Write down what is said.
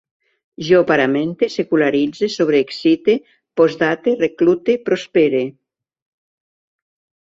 Jo paramente, secularitze, sobreexcite, postdate, reclute, prospere